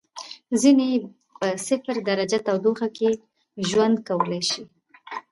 ځینې یې په صفر درجه تودوخې کې ژوند کولای شي.